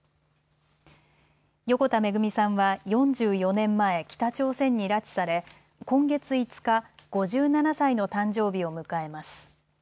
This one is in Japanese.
横田めぐみさんは４４年前、北朝鮮に拉致され今月５日、５７歳の誕生日を迎えます。